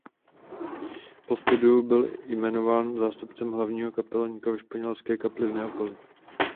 Po studiu byl jmenován zástupcem hlavního kapelníka ve Španělské kapli v Neapoli.